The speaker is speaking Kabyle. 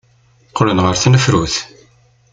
Qqlen ɣer tnefrut.